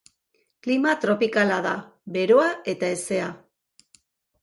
Klima tropikala da, beroa eta hezea.